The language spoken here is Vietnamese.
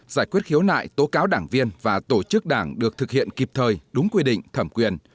giải quyết khiếu nại tố cáo đảng viên và tổ chức đảng được thực hiện kịp thời đúng quy định thẩm quyền